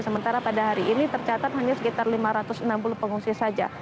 sementara pada hari ini tercatat hanya sekitar lima ratus enam puluh pengungsi saja